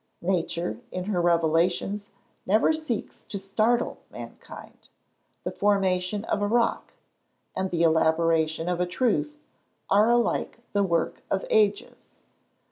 Nature, in her revelations, never seeks to startle mankind. The formation of a rock, and the elaboration of a truth, are alike the work of ages.